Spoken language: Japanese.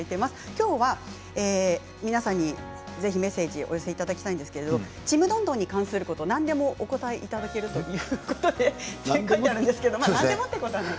きょうは皆さんにぜひメッセージお寄せいただきたいんですけれど「ちむどんどん」に関すること何でもお答えいただけるということで。